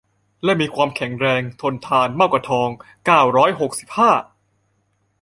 และมีความแข็งแรง ทนทาน มากกว่าทอง เก้าร้อยหกสิบห้า